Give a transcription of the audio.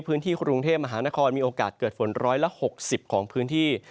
พื้นที่กรุงเทพมหานครมีโอกาสเกิดฝน๑๖๐ของพื้นที่